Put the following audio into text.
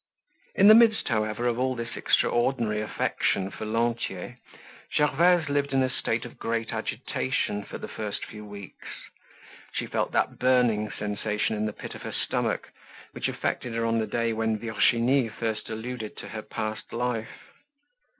In the midst, however, of all this extraordinary affection for Lantier, Gervaise lived in a state of great agitation for the first few weeks. She felt that burning sensation in the pit of her stomach which affected her on the day when Virginie first alluded to her past life.